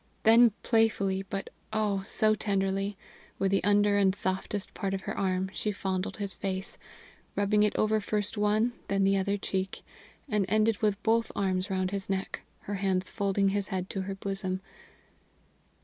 Then playfully, but oh! so tenderly, with the under and softest part of her arm she fondled his face, rubbing it over first one, then the other cheek, and ended with both arms round his neck, her hands folding his head to her bosom.